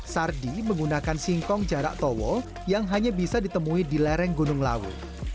sardi menggunakan singkong jarak towo yang hanya bisa ditemui di lereng gunung lawu